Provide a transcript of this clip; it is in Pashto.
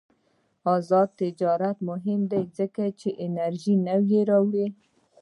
آزاد تجارت مهم دی ځکه چې انرژي نوې راوړي.